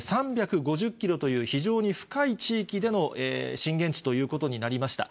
３５０キロという非常に深い地域での震源地ということになりました。